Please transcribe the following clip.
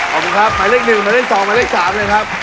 ขอบคุณครับหมายเลข๑หมายเลข๒หมายเลข๓เลยครับ